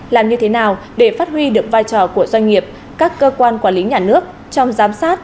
làm như thế nào để phát huy được vai trò của doanh nghiệp các cơ quan quản lý nhà nước trong giám sát